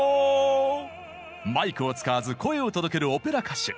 マイクを使わず声を届けるオペラ歌手。